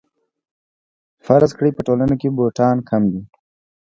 فرض کړئ په ټولنه کې بوټان کم دي